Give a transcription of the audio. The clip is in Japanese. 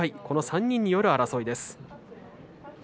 この３人による争いです。